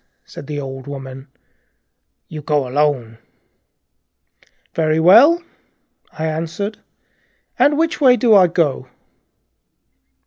said the old woman, softly. " You go alone." "Very well," I answered, shortly, "and which way do I go?"